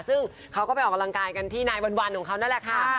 ซึ่งเขาก็ไปออกกำลังกายกันที่นายวันของเขานั่นแหละค่ะ